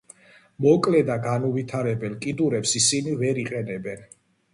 მოკლე და განუვითარებელ კიდურებს ისინი ვერ იყენებენ.